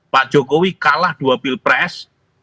pak jokowi kalah dua pil pres